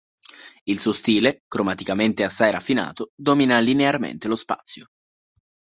Il suo stile, cromaticamente assai raffinato, domina linearmente lo spazio.